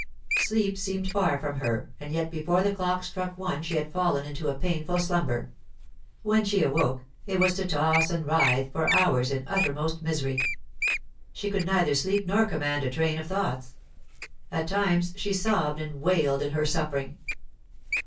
Sleep seemed far from her, and yet before the clock struck one she had fallen into a painful slumber. When she awoke, it was to toss and writhe for hours in uttermost misery. She could neither sleep nor command a train of thoughts. At times she sobbed and wailed in her suffering.